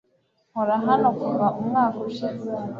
Nkora hano kuva umwaka ushize